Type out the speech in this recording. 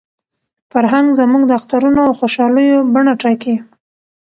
فرهنګ زموږ د اخترونو او خوشالیو بڼه ټاکي.